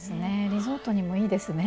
リゾートにもいいですね。